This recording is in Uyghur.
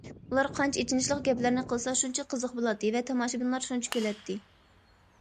ئۇلار قانچە ئېچىنىشلىق گەپلەرنى قىلسا، شۇنچە قىزىق بولاتتى ۋە تاماشىبىنلار شۇنچە كۈلەتتى.